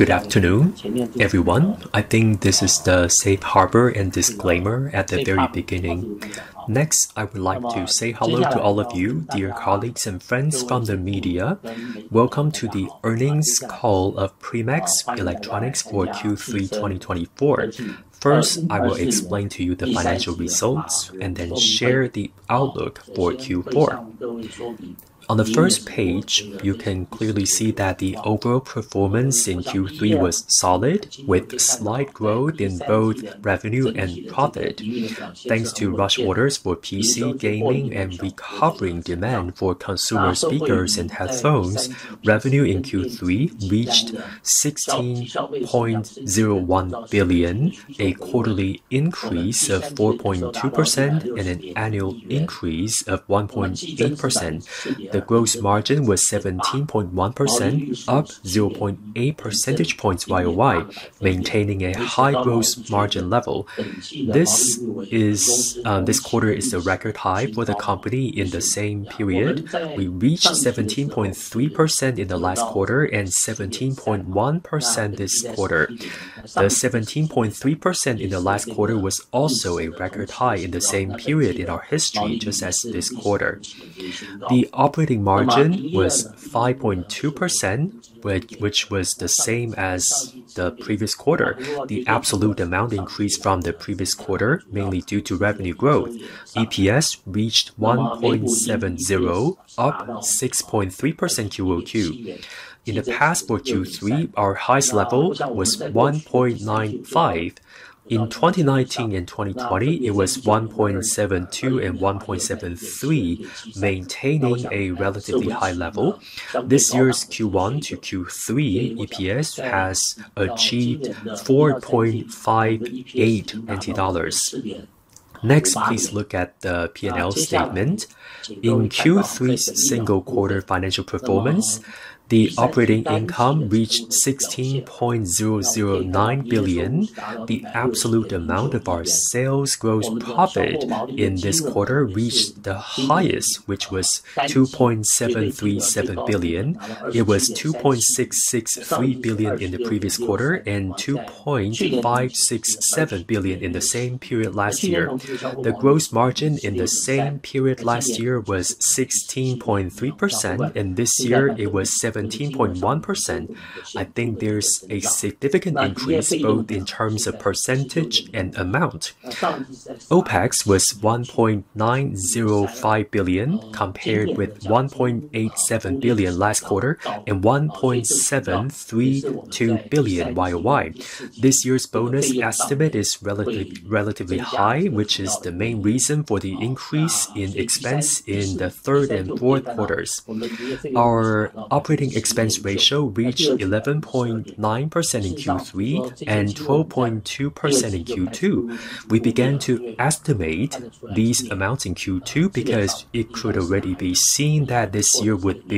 Good afternoon, everyone. I think this is the safe harbor and disclaimer at the very beginning. Next, I would like to say hello to all of you, dear colleagues and friends from the media. Welcome to the earnings call of Primax Electronics for Q3 2024. First, I will explain to you the financial results and then share the outlook for Q4. On the first page, you can clearly see that the overall performance in Q3 was solid, with slight growth in both revenue and profit. Thanks to rush orders for PC, gaming, and recovering demand for consumer speakers and headphones, revenue in Q3 reached 16.01 billion, a quarterly increase of 4.2% and an annual increase of 1.8%. The gross margin was 17.1%, up 0.8 percentage points YoY, maintaining a high gross margin level. This quarter is a record high for the company in the same period. We reached 17.3% in the last quarter and 17.1% this quarter. The 17.3% in the last quarter was also a record high in the same period in our history, just as this quarter. The operating margin was 5.2%, which was the same as the previous quarter. The absolute amount increased from the previous quarter, mainly due to revenue growth. EPS reached 1.70, up 6.3% QoQ. In the past for Q3, our highest level was 1.95. In 2019 and 2020, it was 1.72 and 1.73, maintaining a relatively high level. This year's Q1 to Q3 EPS has achieved NTD 4.58. Next, please look at the P&L statement. In Q3 single quarter financial performance, the operating income reached 16.009 billion. The absolute amount of our sales gross profit in this quarter reached the highest, which was 2.737 billion. It was 2.663 billion in the previous quarter and 2.567 billion in the same period last year. The gross margin in the same period last year was 16.3%, and this year it was 17.1%. I think there's a significant increase both in terms of percentage and amount. OpEx was 1.905 billion, compared with 1.87 billion last quarter and 1.732 billion YoY. This year's bonus estimate is relatively high, which is the main reason for the increase in expense in the third and fourth quarters. Our operating expense ratio reached 11.9% in Q3 and 12.2% in Q2. We began to estimate these amounts in Q2 because it could already be seen that this year would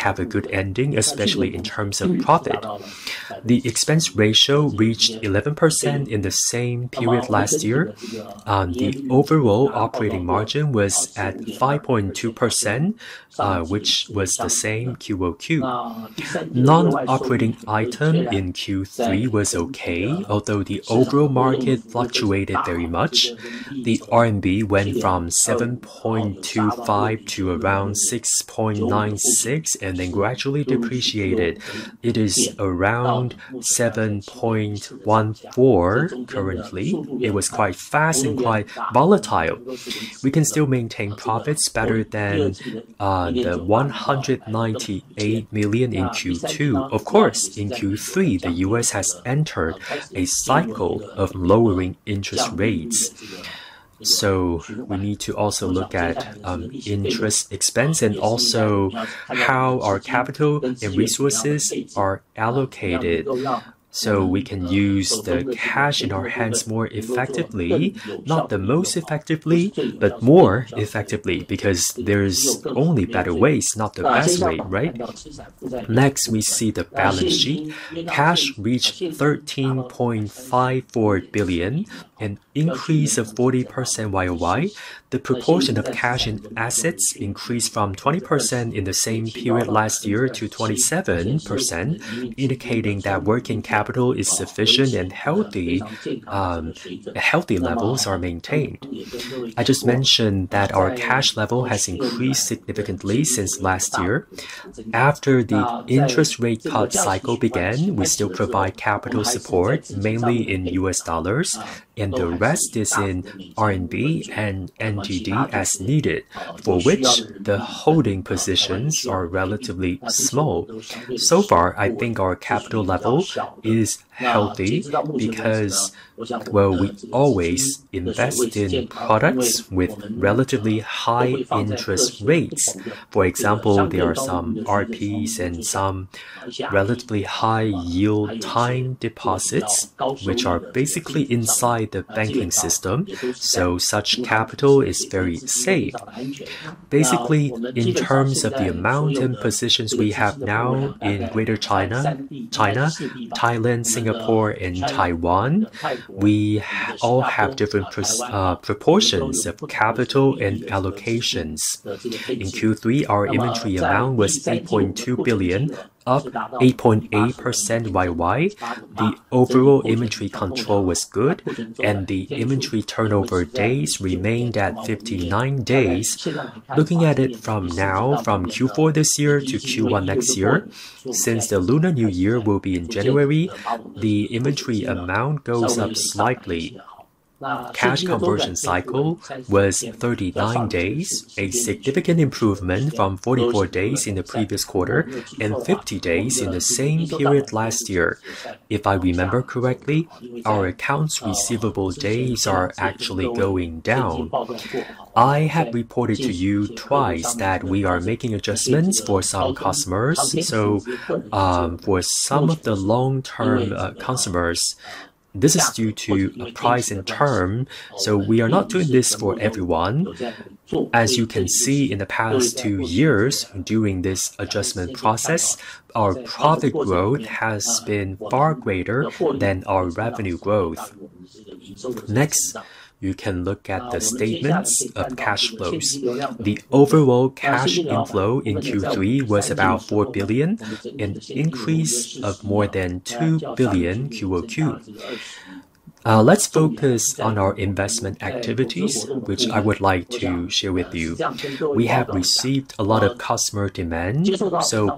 have a good ending, especially in terms of profit. The expense ratio reached 11% in the same period last year. The overall operating margin was at 5.2%, which was the same QoQ. Non-operating item in Q3 was okay, although the overall market fluctuated very much. The RMB went from 7.25 to around 6.96 and then gradually depreciated. It is around 7.14 currently. It was quite fast and quite volatile. We can still maintain profits better than 198 million in Q2. In Q3, the U.S. has entered a cycle of lowering interest rates. We need to also look at interest expense and also how our capital and resources are allocated. We can use the cash in our hands more effectively, not the most effectively, but more effectively because there's only better ways, not the best way, right? Next, we see the balance sheet. Cash reached 13.54 billion, an increase of 40% year-over-year. The proportion of cash in assets increased from 20% in the same period last year to 27%, indicating that working capital is sufficient and healthy levels are maintained. I just mentioned that our cash level has increased significantly since last year. After the interest rate cut cycle began, we still provide capital support, mainly in US dollars, and the rest is in RMB and NTD as needed, for which the holding positions are relatively small. So far, I think our capital level is healthy because, well, we always invest in products with relatively high interest rates. For example, there are some repos and some relatively high yield time deposits, which are basically inside the banking system. Such capital is very safe. Basically, in terms of the amount and positions we have now in Greater China, Thailand, Singapore, and Taiwan, we all have different proportions of capital and allocations. In Q3, our inventory amount was 8.2 billion, up 8.8% YoY. The overall inventory control was good. The inventory turnover days remained at 59 days. Looking at it from now, from Q4 this year to Q1 next year, since the Lunar New Year will be in January, the inventory amount goes up slightly. Cash conversion cycle was 39 days, a significant improvement from 44 days in the previous quarter and 50 days in the same period last year. If I remember correctly, our accounts receivable days are actually going down. I have reported to you twice that we are making adjustments for some customers. For some of the long-term customers, this is due to a price and term, so we are not doing this for everyone. As you can see in the past two years during this adjustment process, our profit growth has been far greater than our revenue growth. You can look at the statements of cash flows. The overall cash inflow in Q3 was about 4 billion, an increase of more than 2 billion QoQ. Let's focus on our investment activities, which I would like to share with you. We have received a lot of customer demand.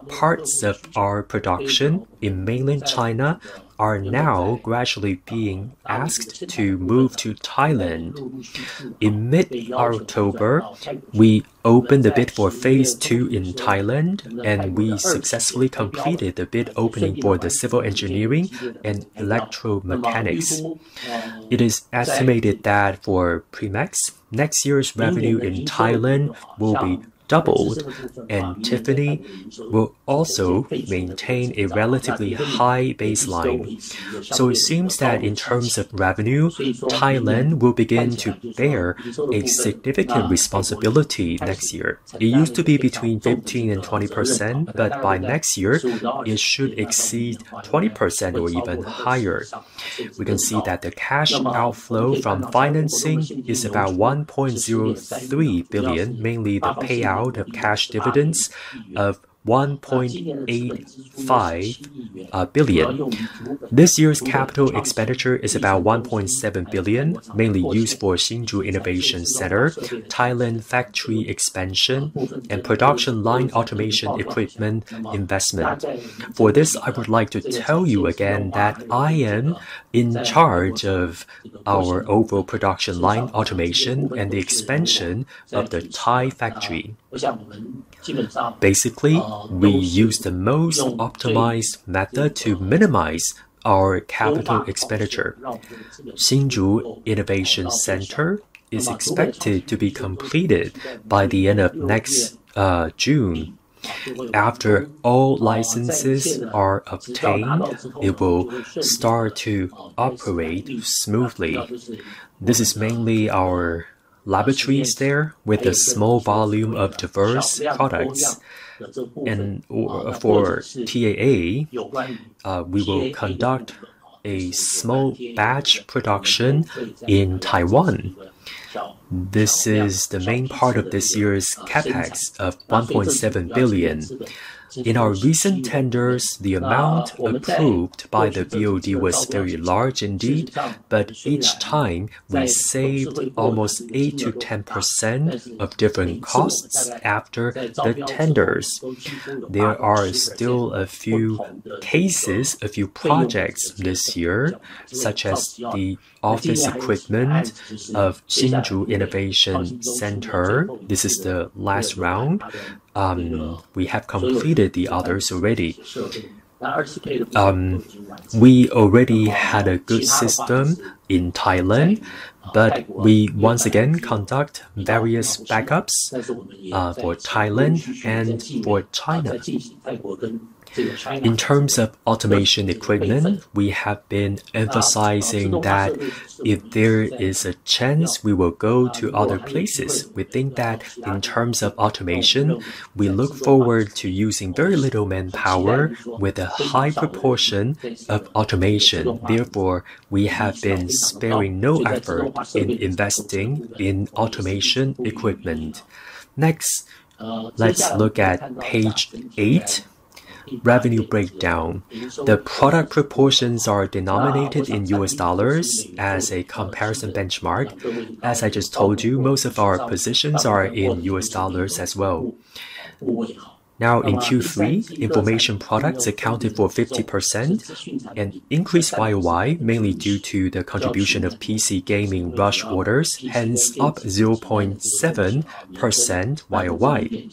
Parts of our production in mainland China are now gradually being asked to move to Thailand. In mid-October, we opened the bid for phase II in Thailand. We successfully completed the bid opening for the civil engineering and electromechanics. It is estimated that for Primax, next year's revenue in Thailand will be doubled. Tymphany will also maintain a relatively high baseline. It seems that in terms of revenue, Thailand will begin to bear a significant responsibility next year. It used to be between 15% and 20%, by next year, it should exceed 20% or even higher. We can see that the cash outflow from financing is about 1.03 billion, mainly the payout of cash dividends of 1.85 billion. This year's capital expenditure is about 1.7 billion, mainly used for Hsinchu Innovation Center, Thailand factory expansion, and production line automation equipment investment. For this, I would like to tell you again that I am in charge of our overall production line automation and the expansion of the Thai factory. Basically, we use the most optimized method to minimize our capital expenditure. Hsinchu Innovation Center is expected to be completed by the end of next June. After all licenses are obtained, it will start to operate smoothly. This is mainly our laboratories there with a small volume of diverse products. For TAA, we will conduct a small batch production in Taiwan. This is the main part of this year's CapEx of 1.7 billion. In our recent tenders, the amount approved by the BOD was very large indeed, but each time we saved almost 8%-10% of different costs after the tenders. There are still a few cases, a few projects this year, such as the office equipment of Hsinchu Innovation Center. This is the last round. We have completed the others already. We already had a good system in Thailand, but we once again conduct various backups for Thailand and for China. In terms of automation equipment, we have been emphasizing that if there is a chance, we will go to other places. We think that in terms of automation, we look forward to using very little manpower with a high proportion of automation. Therefore, we have been sparing no effort in investing in automation equipment. Next, let's look at page eight, revenue breakdown. The product proportions are denominated in US dollars as a comparison benchmark. As I just told you, most of our positions are in US dollars as well. Now, in Q3, information products accounted for 50%, an increase YoY, mainly due to the contribution of PC gaming rush orders, hence up 0.7% YoY.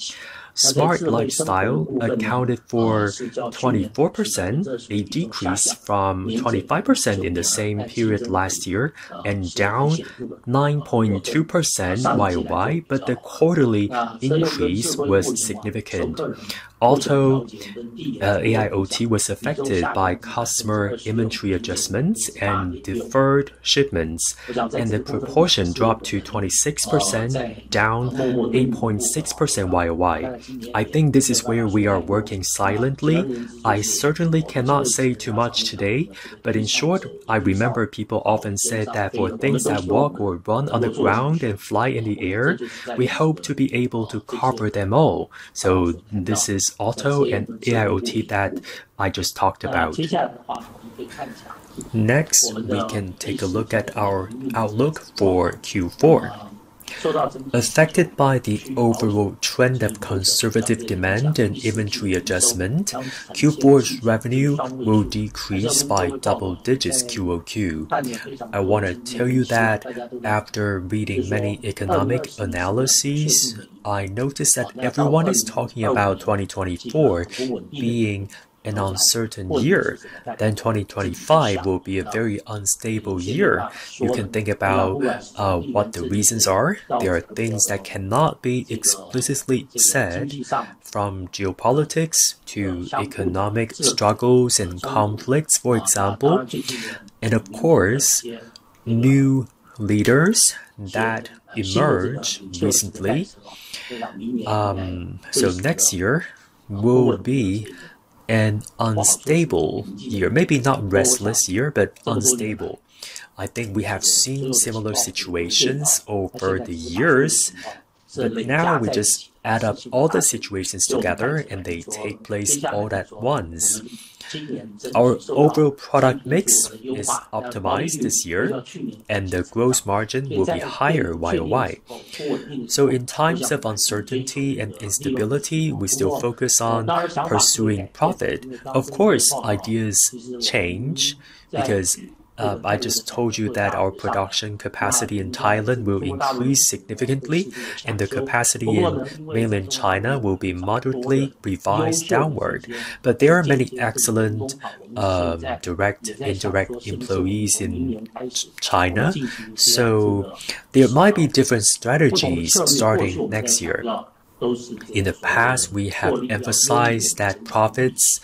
Smart lifestyle accounted for 24%, a decrease from 25% in the same period last year and down 9.2% YoY, but the quarterly increase was significant. Also, AIoT was affected by customer inventory adjustments and deferred shipments, and the proportion dropped to 26%, down 8.6% YoY. I think this is where we are working silently. I certainly cannot say too much today, but in short, I remember people often said that for things that walk or run on the ground and fly in the air, we hope to be able to cover them all. This is auto and AIoT that I just talked about. Next, we can take a look at our outlook for Q4. Affected by the overall trend of conservative demand and inventory adjustment, Q4's revenue will decrease by double digits QoQ. I want to tell you that after reading many economic analyses, I noticed that everyone is talking about 2024 being an uncertain year. 2025 will be a very unstable year. You can think about what the reasons are. There are things that cannot be explicitly said, from geopolitics to economic struggles and conflicts, for example. Of course, new leaders that emerged recently. Next year will be an unstable year, maybe not restless year, but unstable. I think we have seen similar situations over the years, now we just add up all the situations together and they take place all at once. Our overall product mix is optimized this year, the growth margin will be higher YoY. In times of uncertainty and instability, we still focus on pursuing profit. Of course, ideas change because I just told you that our production capacity in Thailand will increase significantly and the capacity in mainland China will be moderately revised downward. There are many excellent, direct, indirect employees in China, there might be different strategies starting next year. In the past, we have emphasized that profits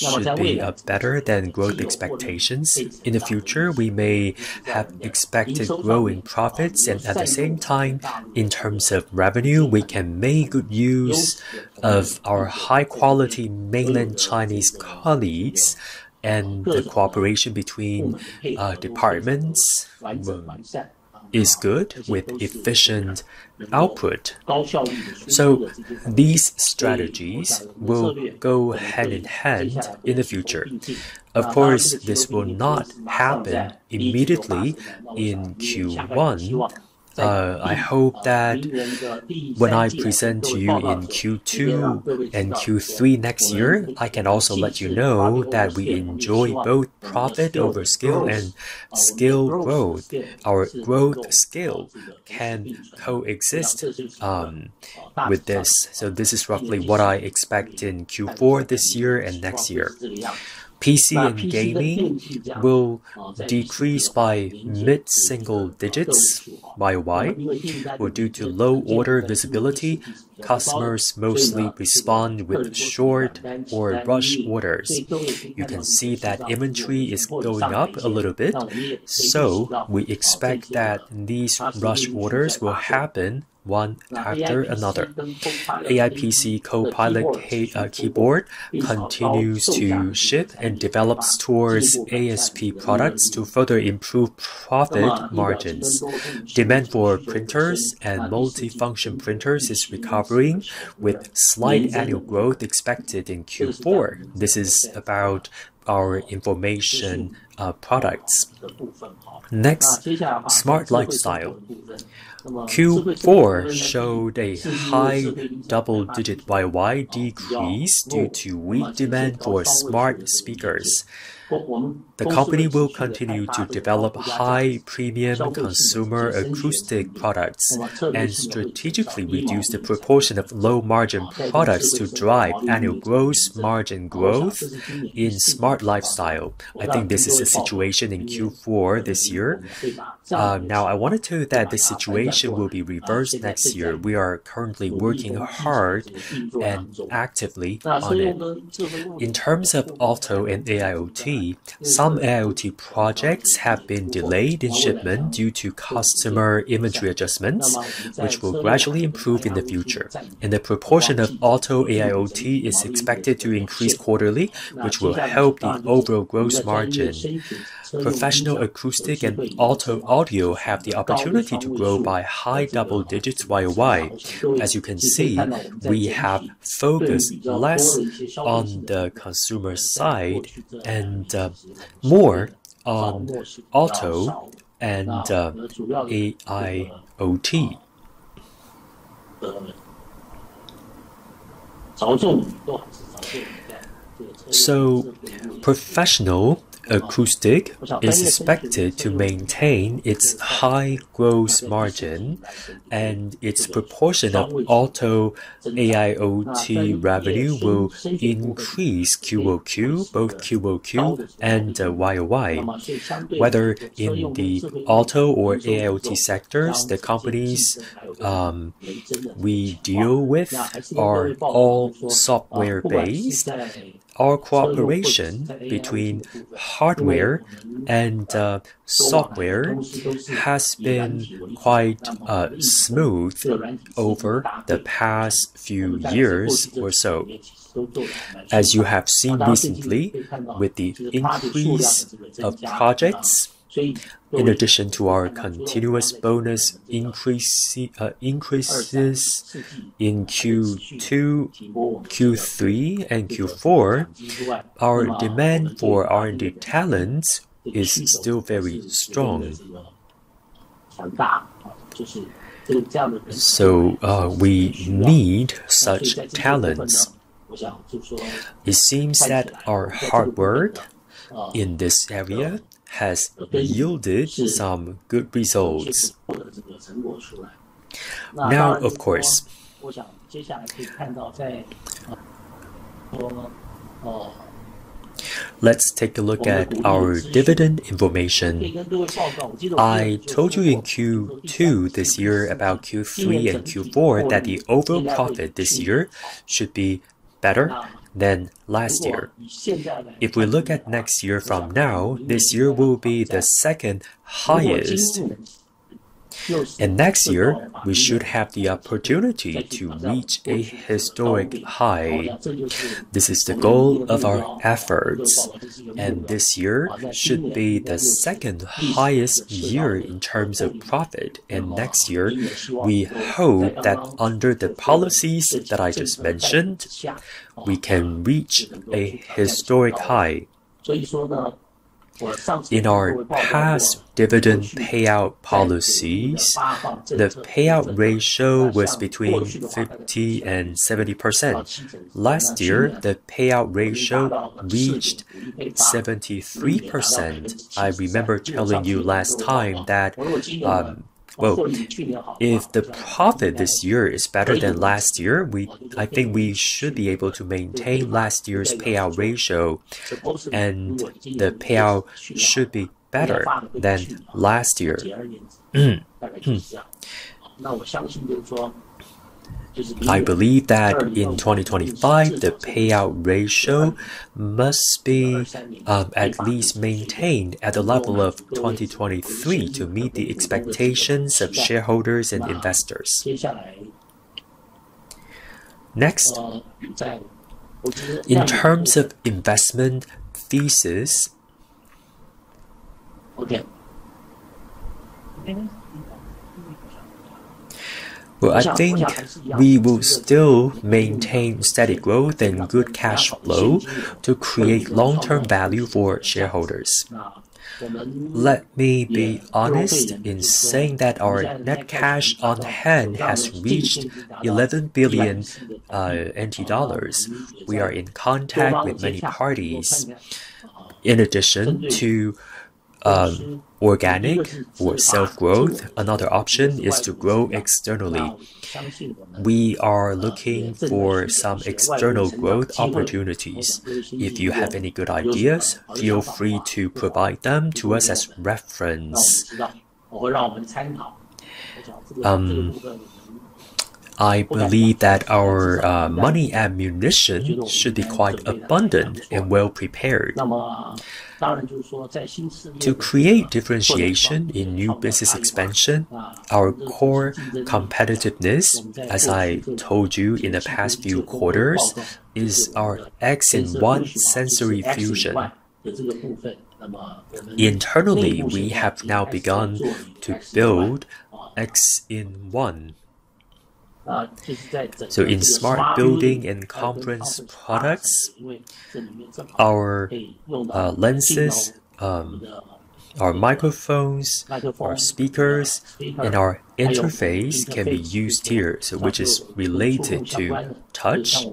should be better than growth expectations. In the future, we may have expected growing profits. At the same time, in terms of revenue, we can make good use of our high-quality mainland Chinese colleagues and the cooperation between departments is good with efficient output. These strategies will go hand in hand in the future. Of course, this will not happen immediately in Q1. I hope that when I present to you in Q2 and Q3 next year, I can also let you know that we enjoy both profit over scale and scale growth. Our growth scale can coexist with this. This is roughly what I expect in Q4 this year and next year. PC and gaming will decrease by mid-single digits YoY. Well, due to low order visibility, customers mostly respond with short or rush orders. You can see that inventory is going up a little bit, so we expect that these rush orders will happen one after another. AI PC Copilot keyboard continues to ship and develops towards ASP products to further improve profit margins. Demand for printers and multifunction printers is recovering, with slight annual growth expected in Q4. This is about our information products. Next, smart lifestyle. Q4 showed a high double-digit YoY decrease due to weak demand for smart speakers. The company will continue to develop high premium consumer acoustic products and strategically reduce the proportion of low margin products to drive annual growth, margin growth in smart lifestyle. I think this is the situation in Q4 this year. Now I want to tell you that the situation will be reversed next year. We are currently working hard and actively on it. In terms of auto and AIoT, some AIoT projects have been delayed in shipment due to customer inventory adjustments, which will gradually improve in the future. The proportion of auto AIoT is expected to increase quarterly, which will help the overall gross margin. Professional acoustic and auto audio have the opportunity to grow by high double digits YoY. As you can see, we have focused less on the consumer side and more on auto and AIoT. Professional acoustic is expected to maintain its high growth margin and its proportion of auto AIoT revenue will increase QoQ, both QoQ and YoY. Whether in the auto or AIoT sectors, the companies we deal with are all software based. Our cooperation between hardware and software has been quite smooth over the past few years or so. As you have seen recently with the increase of projects, in addition to our continuous bonus increase, increases in Q2, Q3, and Q4, our demand for R&D talents is still very strong. We need such talents. It seems that our hard work in this area has yielded some good results. Now, of course, let's take a look at our dividend information. I told you in Q2 this year about Q3 and Q4 that the overall profit this year should be better than last year. If we look at next year from now, this year will be the second highest. Next year, we should have the opportunity to reach a historic high. This is the goal of our efforts, and this year should be the second highest year in terms of profit. Next year, we hope that under the policies that I just mentioned, we can reach a historic high. In our past dividend payout policies, the payout ratio was between 50% and 70%. Last year, the payout ratio reached 73%. I remember telling you last time that, well, if the profit this year is better than last year, I think we should be able to maintain last year's payout ratio, and the payout should be better than last year. I believe that in 2025, the payout ratio must be at least maintained at the level of 2023 to meet the expectations of shareholders and investors. Next, in terms of investment thesis, well, I think we will still maintain steady growth and good cash flow to create long-term value for shareholders. Let me be honest in saying that our net cash on hand has reached 11 billion NT dollars. We are in contact with many parties. In addition to organic or self-growth, another option is to grow externally. We are looking for some external growth opportunities. If you have any good ideas, feel free to provide them to us as reference. I believe that our money ammunition should be quite abundant and well-prepared. To create differentiation in new business expansion, our core competitiveness, as I told you in the past few quarters, is our X-in-1 Sensory Fusion. Internally, we have now begun to build X-in-1. In smart building and conference products, our lenses, our microphones, our speakers, and our interface can be used here, which is related to touch.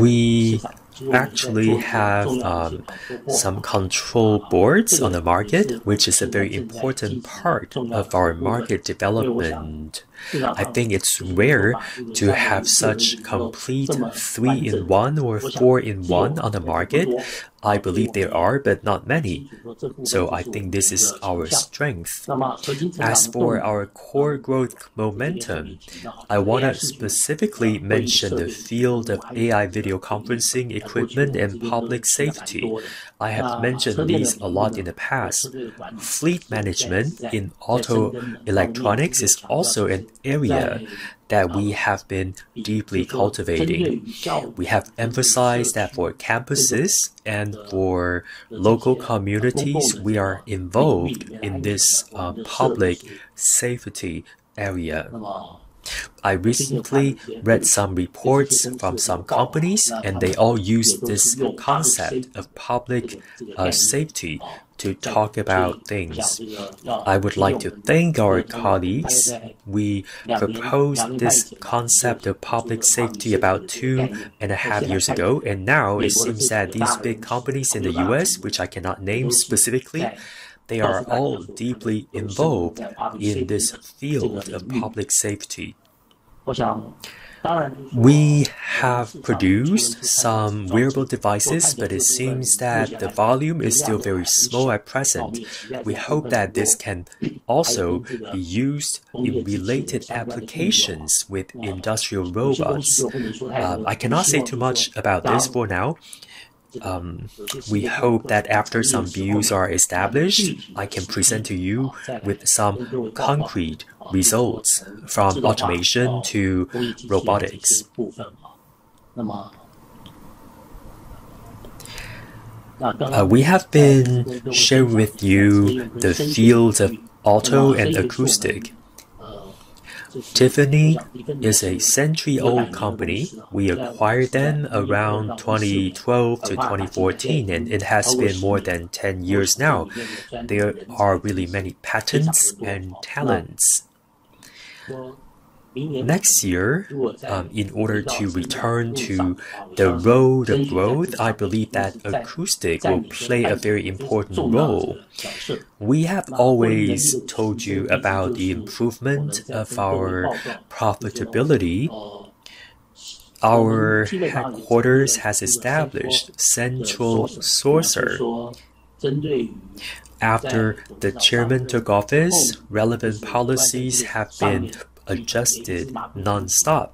We actually have some control boards on the market, which is a very important part of our market development. I think it's rare to have such complete three-in-one or four-in-one on the market. I believe there are, but not many. I think this is our strength. As for our core growth momentum, I wanna specifically mention the field of AI video conferencing equipment and public safety. I have mentioned these a lot in the past. Fleet management in auto electronics is also an area that we have been deeply cultivating. We have emphasized that for campuses and for local communities, we are involved in this public safety area. I recently read some reports from some companies, and they all use this concept of public safety to talk about things. I would like to thank our colleagues. We proposed this concept of public safety about 2.5 years ago. Now it seems that these big companies in the U.S., which I cannot name specifically, they are all deeply involved in this field of public safety. We have produced some wearable devices, but it seems that the volume is still very small at present. We hope that this can also be used in related applications with industrial robots. I cannot say too much about this for now. We hope that after some views are established, I can present to you with some concrete results from automation to robotics. We have been sharing with you the fields of auto and acoustic. Tymphany is a century-old company. We acquired them around 2012 to 2014, and it has been more than 10 years now. There are really many patents and talents. Next year, in order to return to the road of growth, I believe that acoustic will play a very important role. We have always told you about the improvement of our profitability. Our headquarters has established central sourcing. After the Chairman took office, relevant policies have been adjusted nonstop,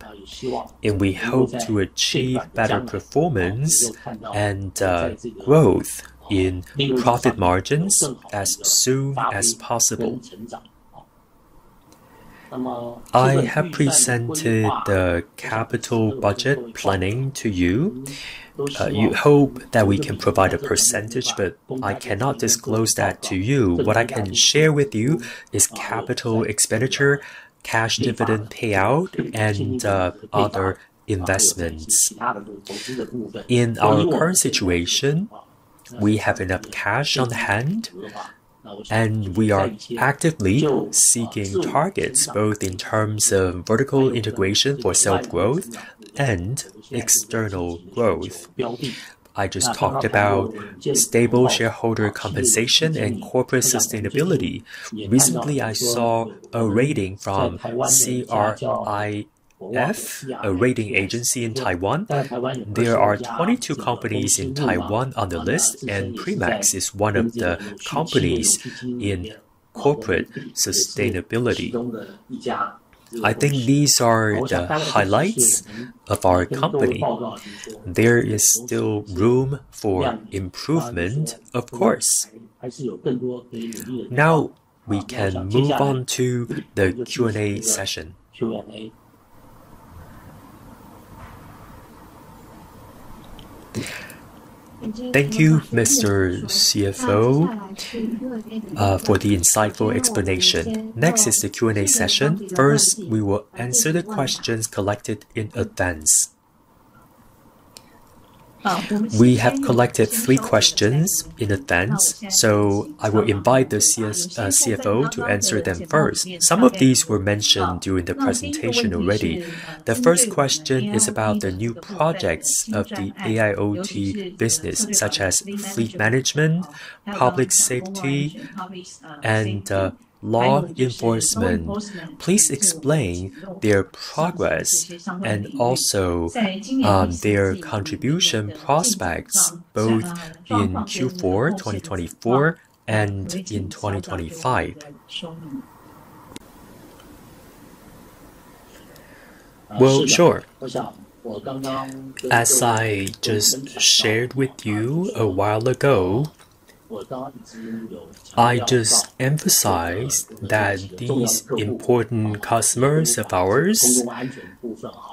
and we hope to achieve better performance and growth in profit margins as soon as possible. I have presented the capital budget planning to you. You hope that we can provide a percentage, but I cannot disclose that to you. What I can share with you is capital expenditure, cash dividend payout, and other investments. In our current situation, we have enough cash on hand, and we are actively seeking targets both in terms of vertical integration for self-growth and external growth. I just talked about stable shareholder compensation and corporate sustainability. Recently, I saw a rating from CRIF, a rating agency in Taiwan. There are 22 companies in Taiwan on the list, and Primax is one of the companies in corporate sustainability. I think these are the highlights of our company. There is still room for improvement, of course. We can move on to the Q&A session. Thank you, Mr. CFO, for the insightful explanation. Next is the Q&A session. First, we will answer the questions collected in advance. We have collected 3 questions in advance, so I will invite the CFO to answer them first. Some of these were mentioned during the presentation already. The first question is about the new projects of the AIoT business, such as fleet management, public safety, and law enforcement. Please explain their progress and also their contribution prospects both in Q4 2024 and in 2025. Well, sure. As I just shared with you a while ago, I just emphasized that these important customers of ours,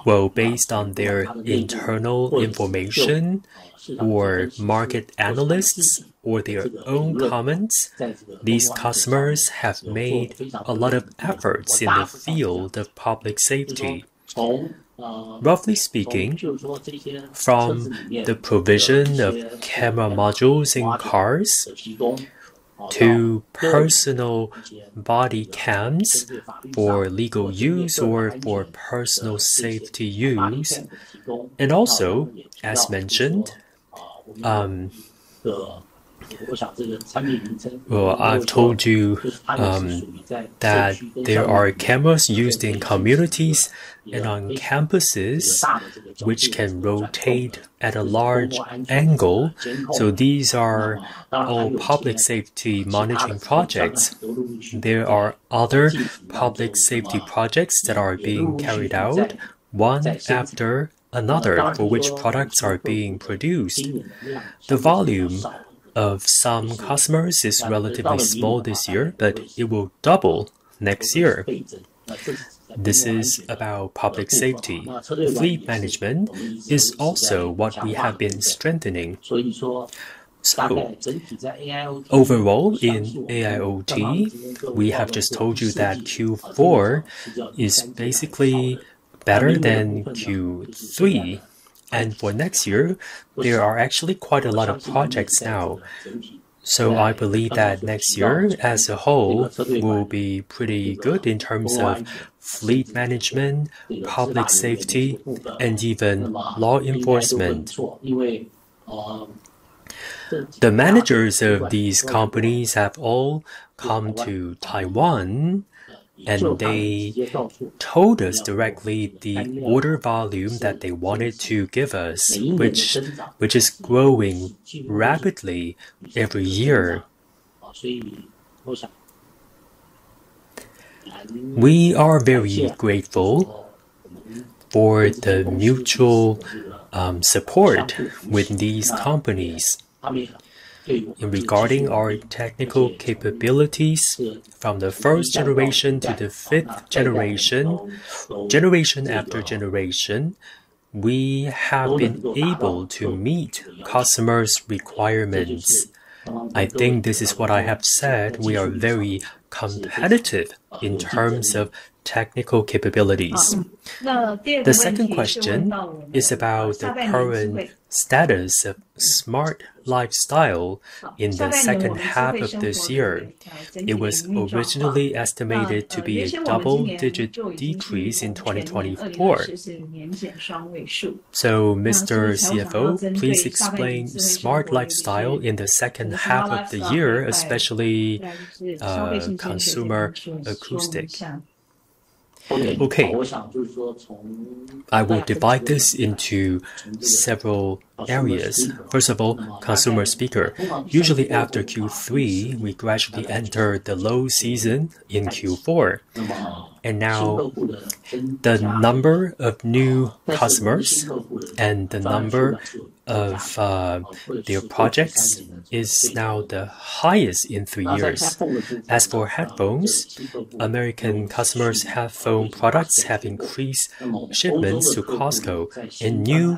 well, based on their internal information or market analysts or their own comments, these customers have made a lot of efforts in the field of public safety. Roughly speaking, from the provision of camera modules in cars to personal body cams for legal use or for personal safety use, and also, as mentioned, well, I've told you that there are cameras used in communities and on campuses which can rotate at a large angle. These are all public safety management projects. There are other public safety projects that are being carried out one after another for which products are being produced. The volume of some customers is relatively small this year, it will double next year. This is about public safety. Fleet management is also what we have been strengthening. Overall, in AIoT, we have just told you that Q4 is basically better than Q3. For next year, there are actually quite a lot of projects now. I believe that next year as a whole will be pretty good in terms of fleet management, public safety, and even law enforcement. The managers of these companies have all come to Taiwan, and they told us directly the order volume that they wanted to give us, which is growing rapidly every year. We are very grateful for the mutual support with these companies. In regarding our technical capabilities from the first generation to the fifth generation after generation, we have been able to meet customers' requirements. I think this is what I have said, we are very competitive in terms of technical capabilities. The second question is about the current status of smart lifestyle in the second half of this year. It was originally estimated to be a double-digit decrease in 2024. Mr. CFO, please explain smart lifestyle in the second half of the year, especially consumer acoustics. I will divide this into several areas. First of all, consumer speakers. Usually after Q3, we gradually enter the low season in Q4. Now the number of new customers and the number of their projects is now the highest in three years. As for headphones, American customers headphone products have increased shipments to Costco, and new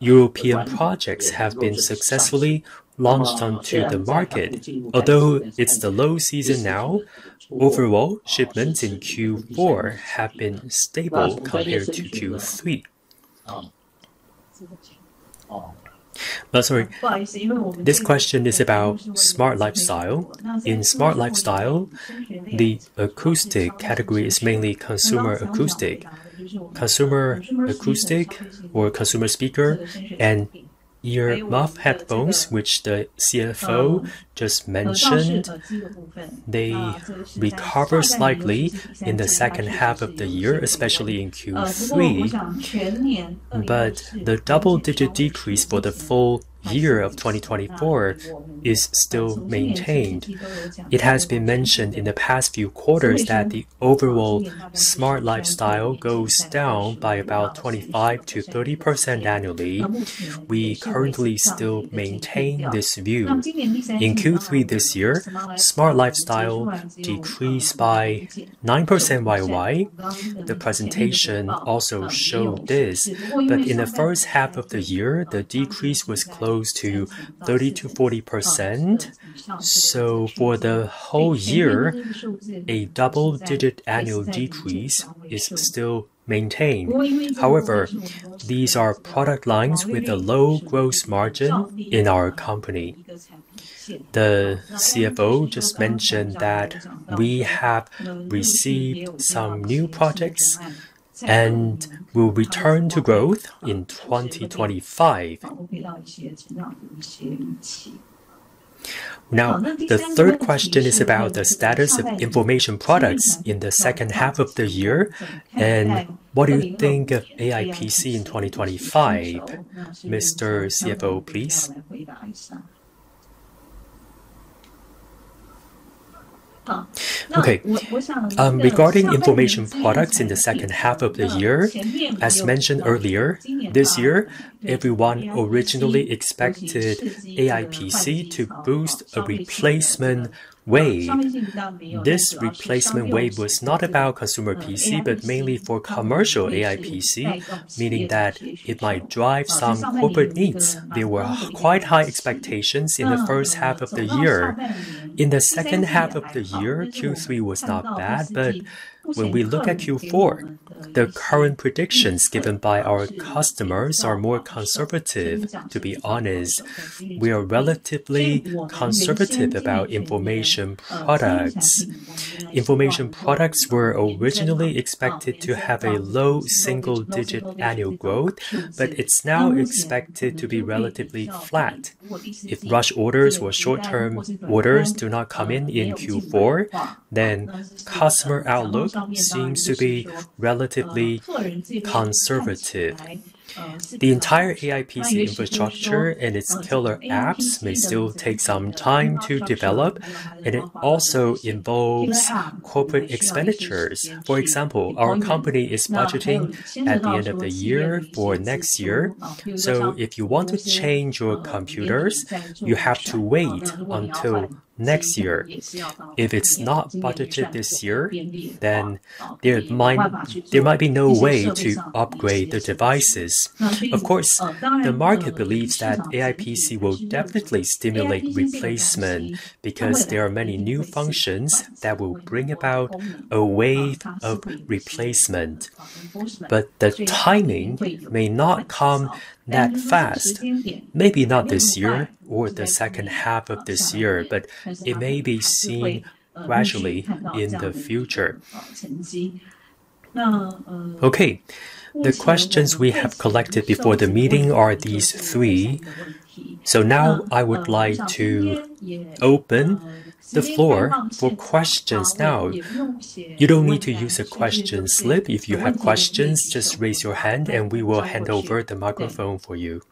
European projects have been successfully launched onto the market. Although it's the low season now, overall, shipments in Q4 have been stable compared to Q3. Sorry. This question is about smart lifestyle. In smart lifestyle, the acoustic category is mainly consumer acoustic. Consumer acoustic or consumer speaker and ear/muff headphones, which the CFO just mentioned, they recover slightly in the second half of the year, especially in Q3. The double-digit decrease for the full year of 2024 is still maintained. It has been mentioned in the past few quarters that the overall smart lifestyle goes down by about 25%-30% annually. We currently still maintain this view. In Q3 this year, smart lifestyle decreased by 9% YoY. The presentation also showed this. In the first half of the year, the decrease was close to 30%-40%. For the whole year, a double-digit annual decrease is still maintained. However, these are product lines with a low gross margin in our company. The CFO just mentioned that we have received some new projects and will return to growth in 2025. The third question is about the status of information products in the second half of the year, and what do you think of AI PC in 2025. Mr. CFO, please. Regarding information products in the second half of the year, as mentioned earlier, this year, everyone originally expected AI PC to boost a replacement wave. This replacement wave was not about consumer PC, but mainly for commercial AI PC, meaning that it might drive some corporate needs. There were quite high expectations in the first half of the year. In the second half of the year, Q3 was not bad. When we look at Q4, the current predictions given by our customers are more conservative, to be honest. We are relatively conservative about information products. Information products were originally expected to have a low single-digit annual growth, but it's now expected to be relatively flat. If rush orders or short-term orders do not come in in Q4, customer outlook seems to be relatively conservative. The entire AI PC infrastructure and its killer apps may still take some time to develop, it also involves corporate expenditures. For example, our company is budgeting at the end of the year for next year. If you want to change your computers, you have to wait until next year. If it's not budgeted this year, then there might be no way to upgrade the devices. Of course, the market believes that AI PC will definitely stimulate replacement because there are many new functions that will bring about a wave of replacement. The timing may not come that fast. Maybe not this year or the second half of this year, but it may be seen gradually in the future. Okay. The questions we have collected before the meeting are these three. Now I would like to open the floor for questions now. You don't need to use a question slip. If you have questions, just raise your hand and we will hand over the microphone for you.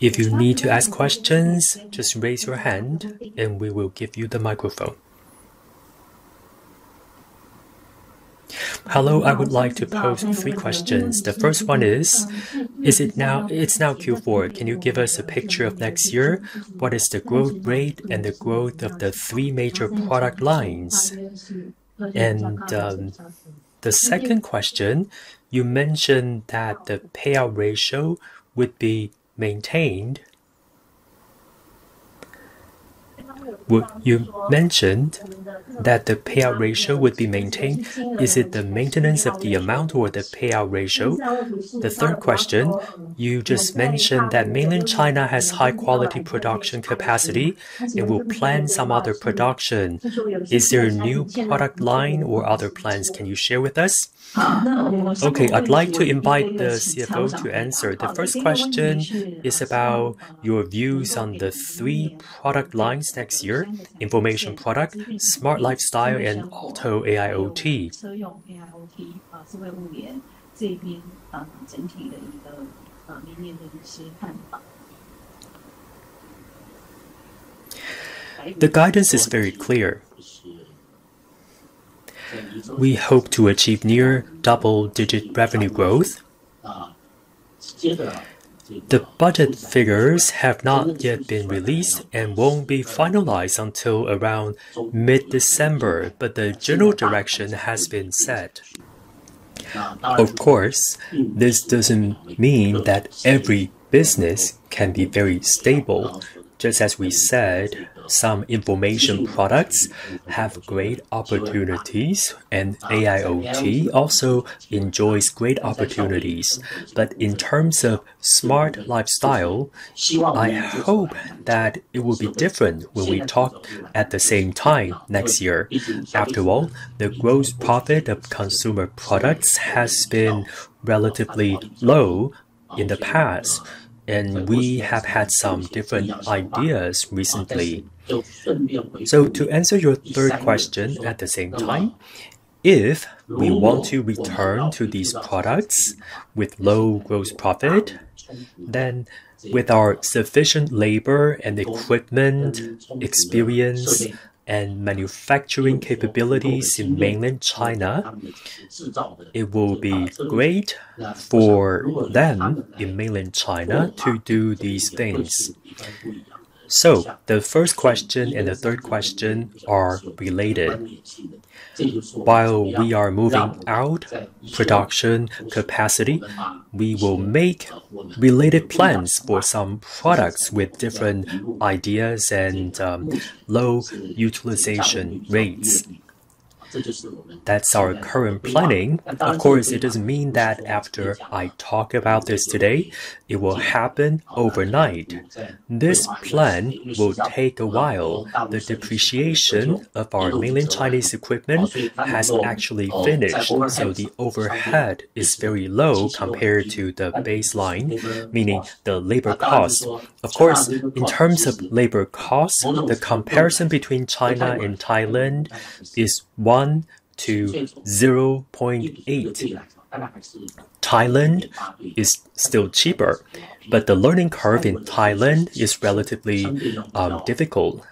If you need to ask questions, just raise your hand and we will give you the microphone. Hello, I would like to pose three questions. The first one is, it's now Q4. Can you give us a picture of next year? What is the growth rate and the growth of the three major product lines? The second question, you mentioned that the payout ratio would be maintained. You mentioned that the payout ratio would be maintained. Is it the maintenance of the amount or the payout ratio? The third question, you just mentioned that Mainland China has high-quality production capacity and will plan some other production. Is there a new product line or other plans can you share with us? Okay, I'd like to invite the CFO to answer. The first question is about your views on the three product lines next year: information product, smart lifestyle, and auto AIoT. The guidance is very clear. We hope to achieve near double-digit revenue growth. The budget figures have not yet been released and won't be finalized until around mid-December, but the general direction has been set. Of course, this doesn't mean that every business can be very stable. Just as we said, some information products have great opportunities, and AIoT also enjoys great opportunities. In terms of smart lifestyle, I hope that it will be different when we talk at the same time next year. The gross profit of consumer products has been relatively low in the past, and we have had some different ideas recently. To answer your third question at the same time, if we want to return to these products with low gross profit, with our sufficient labor and equipment, experience, and manufacturing capabilities in Mainland China, it will be great for them in Mainland China to do these things. The first question and the third question are related. While we are moving out production capacity, we will make related plans for some products with different ideas and low utilization rates. That's our current planning. Of course, it doesn't mean that after I talk about this today, it will happen overnight. This plan will take a while. The depreciation of our mainland Chinese equipment hasn't actually finished, the overhead is very low compared to the baseline, meaning the labor cost. Of course, in terms of labor cost, the comparison between China and Thailand is 1 to 0.8. Thailand is still cheaper, the learning curve in Thailand is relatively difficult.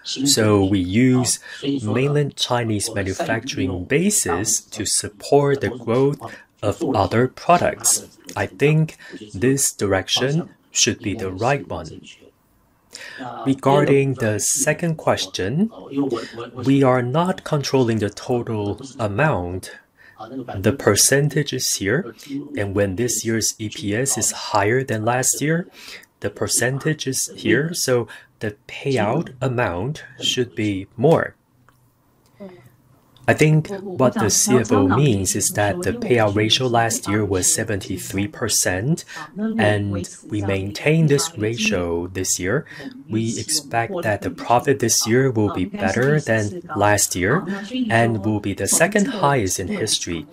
We use mainland Chinese manufacturing bases to support the growth of other products. I think this direction should be the right one. Regarding the second question, we are not controlling the total amount. The percentage is here, and when this year's EPS is higher than last year, the percentage is here, so the payout amount should be more. I think what the CFO means is that the payout ratio last year was 73%, and we maintained this ratio this year. We expect that the profit this year will be better than last year and will be the second highest in history.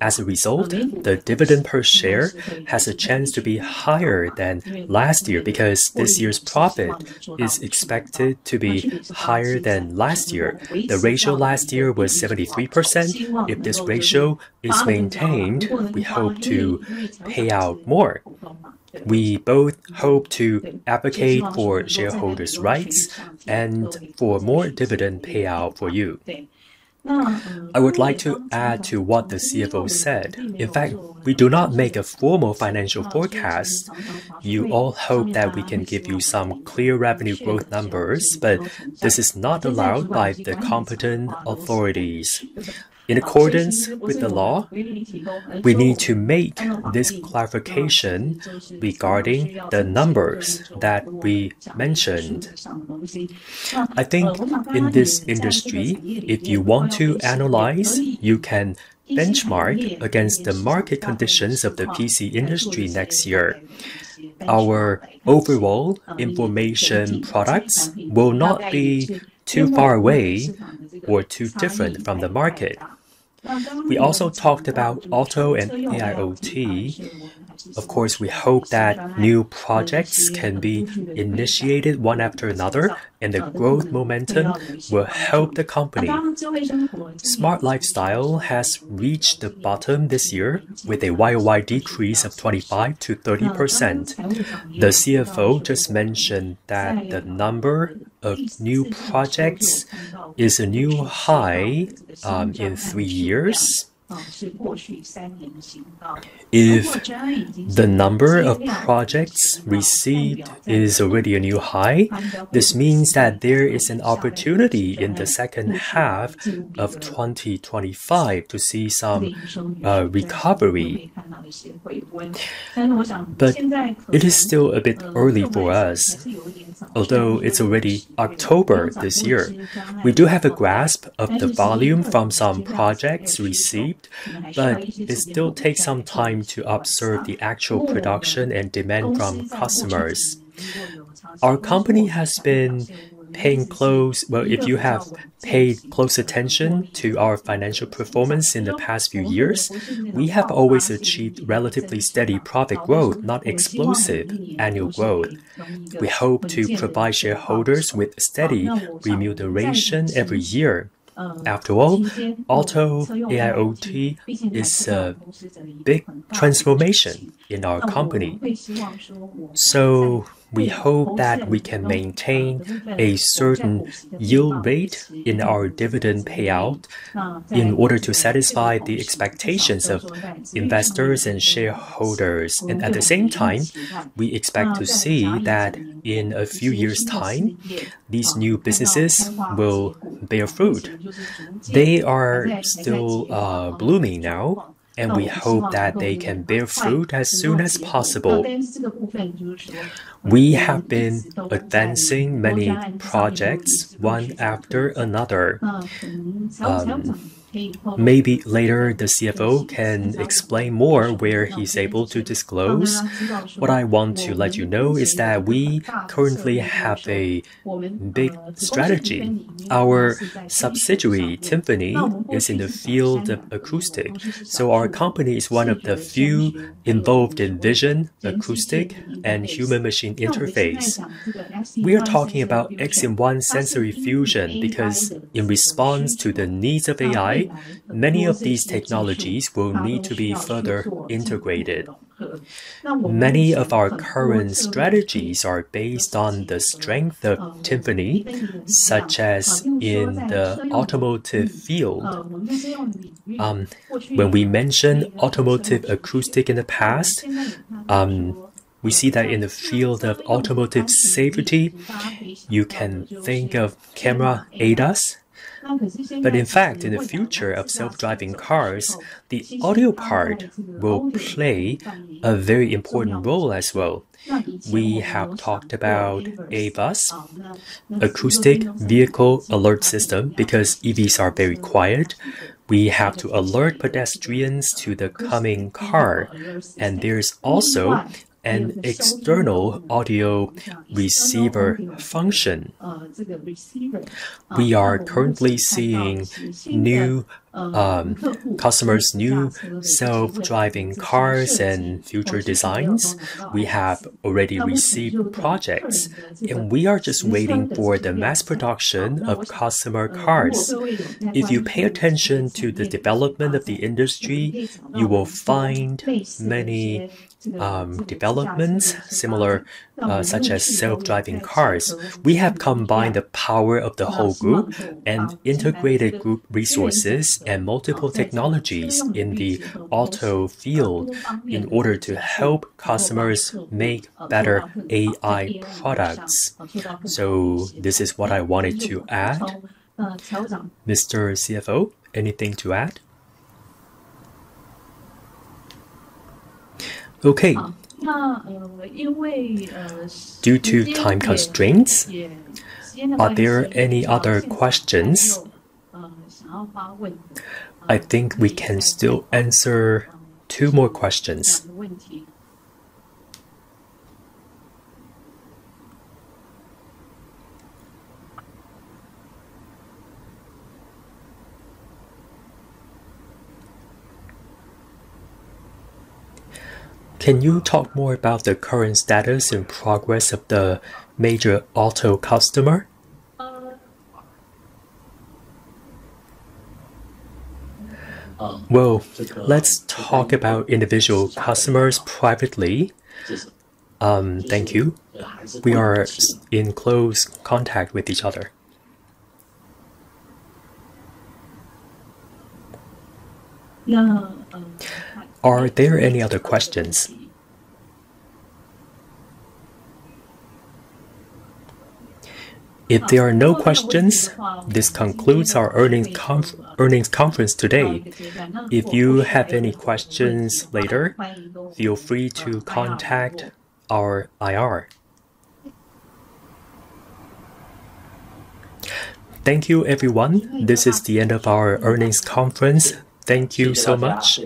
As a result, the dividend per share has a chance to be higher than last year because this year's profit is expected to be higher than last year. The ratio last year was 73%. If this ratio is maintained, we hope to pay out more. We both hope to advocate for shareholders' rights and for more dividend payout for you. I would like to add to what the CFO said. In fact, we do not make a formal financial forecast. You all hope that we can give you some clear revenue growth numbers, but this is not allowed by the competent authorities. In accordance with the law, we need to make this clarification regarding the numbers that we mentioned. I think in this industry, if you want to analyze, you can benchmark against the market conditions of the PC industry next year. Our overall information products will not be too far away or too different from the market. We also talked about auto and AIoT. Of course, we hope that new projects can be initiated one after another, and the growth momentum will help the company. Smart lifestyle has reached the bottom this year with a YoY decrease of 25%-30%. The CFO just mentioned that the number of new projects is a new high in three years. If the number of projects received is already a new high, this means that there is an opportunity in the second half of 2025 to see some recovery. But it is still a bit early for us, although it's already October this year. We do have a grasp of the volume from some projects received, but it still takes some time to observe the actual production and demand from customers. If you have paid close attention to our financial performance in the past few years, we have always achieved relatively steady profit growth, not explosive annual growth. We hope to provide shareholders with steady remuneration every year. After all, auto AIoT is a big transformation in our company. We hope that we can maintain a certain yield rate in our dividend payout in order to satisfy the expectations of investors and shareholders. At the same time, we expect to see that in a few years' time, these new businesses will bear fruit. They are still blooming now. We hope that they can bear fruit as soon as possible. We have been advancing many projects one after another. Maybe later the CFO can explain more where he's able to disclose. What I want to let you know is that we currently have a big strategy. Our subsidiary, Tymphany, is in the field of acoustic, so our company is one of the few involved in vision, acoustic, and human machine interface. We are talking about X-in-1 Sensory Fusion because in response to the needs of AI, many of these technologies will need to be further integrated. Many of our current strategies are based on the strength of Tymphany, such as in the automotive field. When we mentioned automotive acoustic in the past, we see that in the field of automotive safety, you can think of camera ADAS. In fact, in the future of self-driving cars, the audio part will play a very important role as well. We have talked about AVAS, Acoustic Vehicle Alerting System. Because EVs are very quiet, we have to alert pedestrians to the coming car, and there's also an external audio receiver function. We are currently seeing new customers, new self-driving cars and future designs. We have already received projects, and we are just waiting for the mass production of customer cars. If you pay attention to the development of the industry, you will find many developments similar, such as self-driving cars. We have combined the power of the whole group and integrated group resources and multiple technologies in the auto field in order to help customers make better AI products. This is what I wanted to add. Mr. CFO, anything to add? Okay. Due to time constraints, are there any other questions? I think we can still answer 2 more questions. Can you talk more about the current status and progress of the major auto customer? Well, let's talk about individual customers privately. Thank you. We are in close contact with each other. Are there any other questions? If there are no questions, this concludes our earnings conference today. If you have any questions later, feel free to contact our IR. Thank you, everyone. This is the end of our earnings conference. Thank you so much.